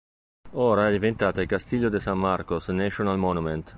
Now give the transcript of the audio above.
Ora è diventata il Castillo de San Marcos National Monument.